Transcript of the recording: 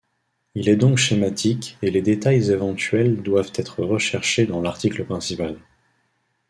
Il est donc schématique et les détails éventuels doivent être recherchés dans l'article principal.